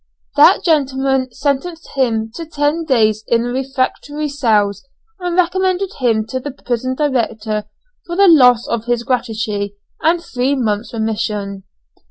That gentleman sentenced him to ten days in the refractory cells, and recommended him to the prison director for the loss of his gratuity and three months' remission.